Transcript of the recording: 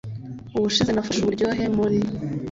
ubushize nafashe uburyohe muri